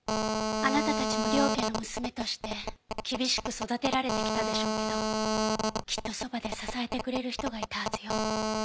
あなたたちも良家の娘として厳しく育てられてきたでしょうけどきっとそばで支えてくれる人がいたはずよ。